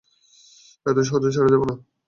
এত সহজে ছেড়ে দিব না।